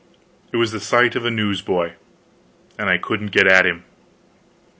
It was the sight of a newsboy and I couldn't get at him!